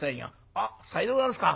「あっさようでございますか。